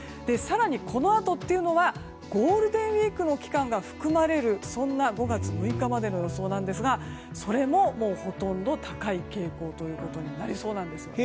更に、このあとというのはゴールデンウィークの期間が含まれる５月６日までの予想ですがそれも、ほとんど高い傾向ということになりそうです。